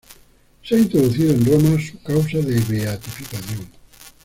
Se ha introducido en Roma su causa de beatificación.